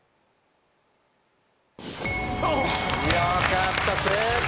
あぁ！よかった正解！